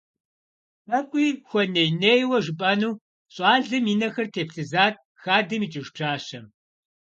ТӀэкӀуи хуэней-нейуэ жыпӀэну щӏалэм и нэхэр теплъызат хадэм икӀыж пщащэм.